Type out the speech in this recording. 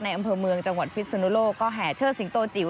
อำเภอเมืองจังหวัดพิษนุโลกก็แห่เชิดสิงโตจิ๋ว